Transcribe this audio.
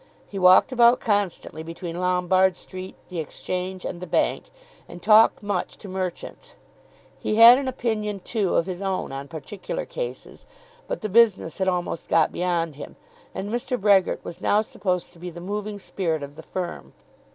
He walked about constantly between Lombard Street, the Exchange, and the Bank, and talked much to merchants; he had an opinion too of his own on particular cases; but the business had almost got beyond him, and Mr. Brehgert was now supposed to be the moving spirit of the firm.